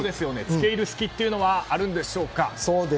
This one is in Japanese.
付け入る隙というのはあるんでしょうか。